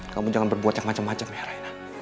kamu jangan berbuat yang macem macem ya raina